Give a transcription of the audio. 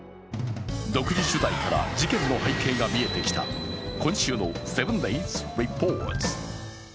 独自取材から事件の背景が見えてきた今週の「７ｄａｙｓリポート」。